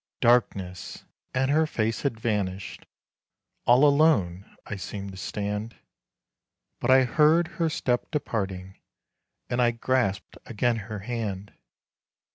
Darkness! and her face had vanished, all alone I seemed to stand, But I heard her step departing, and I grasped again her hand.